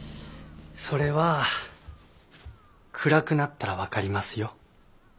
それは暗くなったら分かりますよ。